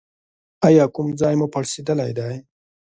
ایا کوم ځای مو پړسیدلی دی؟